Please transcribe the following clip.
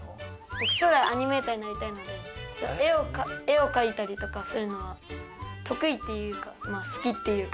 ぼくしょうらいアニメーターになりたいので絵をかいたりとかするのはとくいっていうかまあすきっていうか。